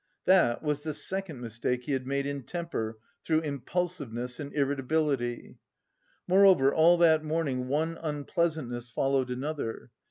That was the second mistake he had made in temper, through impulsiveness and irritability.... Moreover, all that morning one unpleasantness followed another.